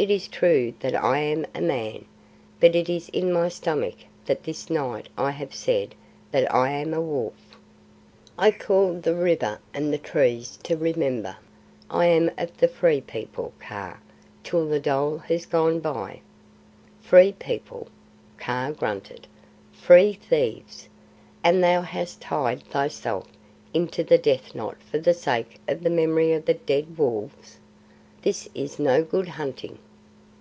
"It is true that I am a Man, but it is in my stomach that this night I have said that I am a Wolf. I called the River and the Trees to remember. I am of the Free People, Kaa, till the dhole has gone by." "Free People," Kaa grunted. "Free thieves! And thou hast tied thyself into the death knot for the sake of the memory of the dead wolves? This is no good hunting."